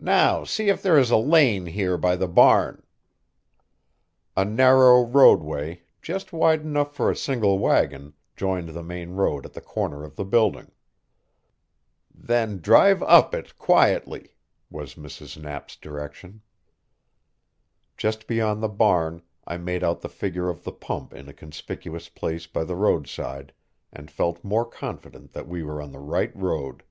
"Now see if there is a lane here by the barn." A narrow roadway, just wide enough for a single wagon, joined the main road at the corner of the building. "Then drive up it quietly," was Mrs. Knapp's direction. Just beyond the barn I made out the figure of the pump in a conspicuous place by the roadside, and felt more confident that we were on the right road.